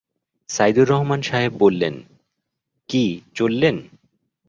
সাইদুর রহমান সাহেব বললেন, কি, চললেন?